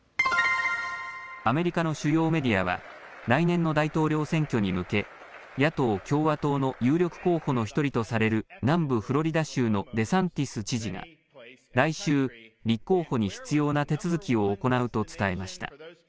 アメリカの主要メディアは来年の大統領選挙に向け野党・共和党の有力候補の１人とされる南部フロリダ州のデサンティス知事が来週、立候補に必要な手続きを行うと伝えました。